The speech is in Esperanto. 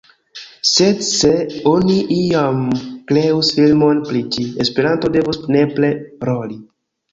Sed se oni iam kreus filmon pri ĝi, Esperanto devus nepre roli.